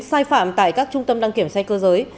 sai phạm tại các trung tâm đăng kiểm xe cơ giới